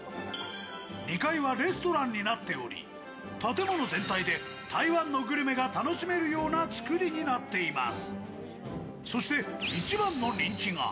２階はレストランになっており建物全体で台湾のグルメが楽しめるようなつくりになっています。